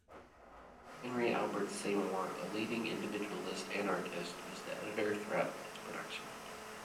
Henry Albert Seymour, a leading individualist anarchist was the editor throughout its production.